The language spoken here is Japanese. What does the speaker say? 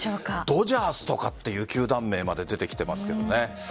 ドジャースとかっていう球団名まで出てきてますけどね。